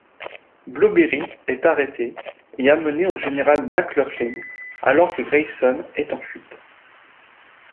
Blueberry est arrêté et amené au général MacLaughlin, alors que Grayson est en fuite.